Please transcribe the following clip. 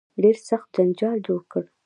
ډېر سخت جنجال جوړ کړ.